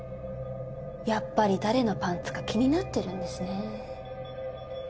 やっぱり誰のパンツか気になってるんですね。